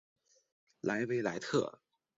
莱维莱特。